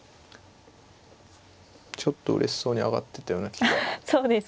ちょっとうれしそうに上がってったような気がします。